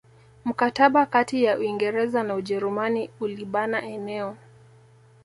Mkataba kati ya Uingereza na Ujerumani ulibana eneo